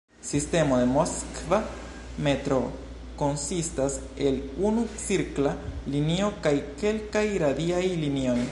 Sistemo de Moskva metroo konsistas el unu cirkla linio kaj kelkaj radiaj linioj.